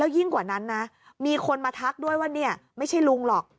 ยิ่งกว่านั้นนะมีคนมาทักด้วยว่าเนี่ยไม่ใช่ลุงหรอก